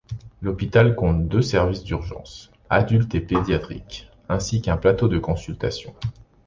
L'hôpital compte deux services d'urgence, adultes et pédiatriques, ainsi qu'un plateau de consultations.